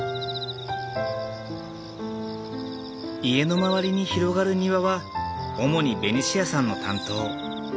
家の周りに広がる庭は主にベニシアさんの担当。